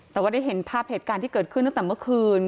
แต่ว่าได้เห็นภาพเหตุการณ์ที่เกิดขึ้นตั้งแต่เมื่อคืน